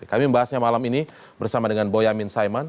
kami membahasnya malam ini bersama dengan boyamin saiman